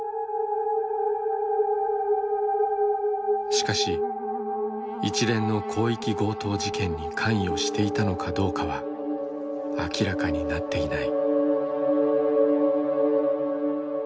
しかし一連の広域強盗事件に関与していたのかどうかは明らかになっていない。